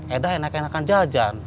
edah enakan enakan jajan